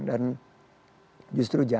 dan justru jarang